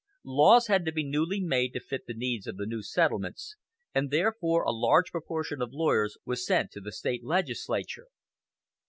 Laws had to be newly made to fit the needs of the new settlements, and therefore a large proportion of lawyers was sent to the State legislature.